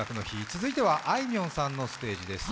続いてはあいみょんさんのステージです。